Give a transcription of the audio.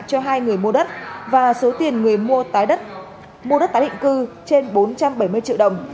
cho hai người mua đất và số tiền người mua tái định cư trên bốn trăm bảy mươi triệu đồng